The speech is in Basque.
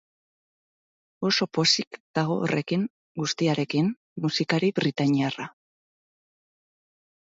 Oso pozik dago horrekin guztiarekin musikari britainiarra.